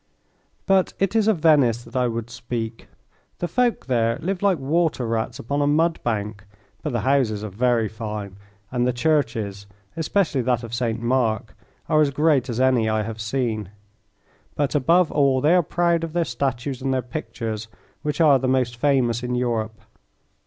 But it is of Venice that I would speak. The folk there live like water rats upon a mud bank, but the houses are very fine, and the churches, especially that of St. Mark, are as great as any I have seen. But above all they are proud of their statues and their pictures, which are the most famous in Europe.